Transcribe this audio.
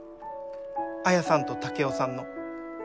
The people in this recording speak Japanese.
綾さんと竹雄さんの。